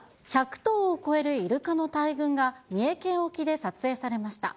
１００頭を超えるイルカの大群が三重県沖で撮影されました。